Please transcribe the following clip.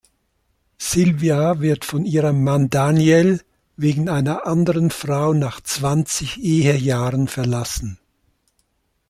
Sylvia wird von ihrem Mann Daniel wegen einer anderen Frau nach zwanzig Ehejahren verlassen.